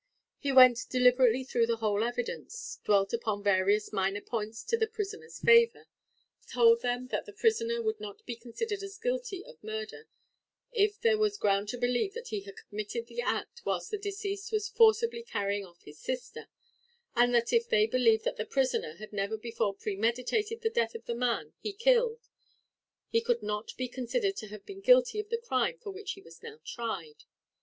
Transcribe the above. He went deliberately through the whole evidence dwelt upon various minor points in the prisoner's favour told them that the prisoner could not be considered as guilty of murder, if there was ground to believe that he had committed the act whilst the deceased was forcibly carrying off his sister; and that if they believed that the prisoner had never before premeditated the death of the man he killed, he could not be considered to have been guilty of the crime for which he was now tried.